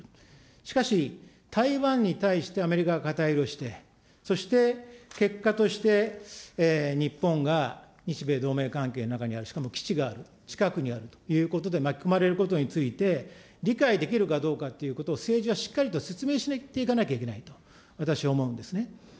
しかし、台湾に対してアメリカが肩入れをして、そして結果として、日本が日米同盟関係の中にある、しかも基地がある、近くにあるということで、巻き込まれることについて、理解できるかどうかということを、政治はしっかりと説明していかなきゃいけないと私は思うんですね。